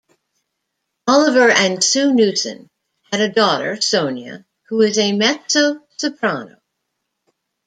Oliver and Sue Knussen had a daughter, Sonya, who is a mezzo-soprano.